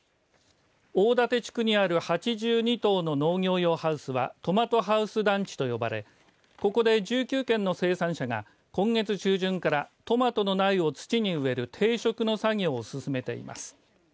大舘地区にある８２棟の農業用ハウスはトマトハウス団地と呼ばれここで１９軒の生産者が今月中旬からトマトの苗を土に植える定植の作業を進めています。